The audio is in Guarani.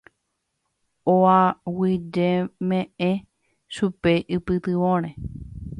Oaguyjeme'ẽ chupe ipytyvõre.